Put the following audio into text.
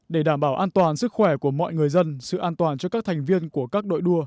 để đảm bảo an toàn sức khỏe của mọi người dân sự an toàn cho các thành viên của các đội đua